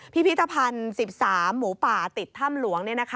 พิพิธภัณฑ์๑๓หมูป่าติดถ้ำหลวง